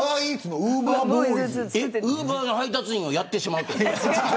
ウーバーの配達員をやってしまうということ。